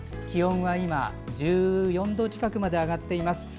気温は今、１４度近くまで上がっています。